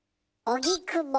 おぎくぼ。